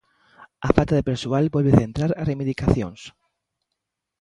A falta de persoal volve centrar as reivindicacións.